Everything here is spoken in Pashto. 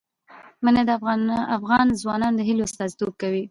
منی د افغان ځوانانو د هیلو استازیتوب کوي.